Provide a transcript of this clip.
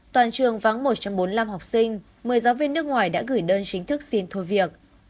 toàn trường vắng một trăm bốn mươi năm học sinh một mươi giáo viên nước ngoài đã gửi đơn chính thức xin thôi việc